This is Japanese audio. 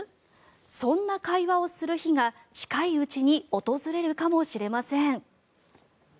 そんな会話をする日が近いうちに訪れるかもしれません。